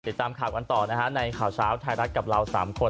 ติดตามข่าวกันต่อนะฮะในข่าวเช้าไทยรัฐกับเรา๓คน